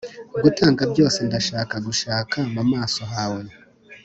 gutanga byose ndashaka gushaka mu maso hawe